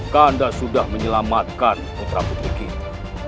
anda sudah menyelamatkan putra putri kita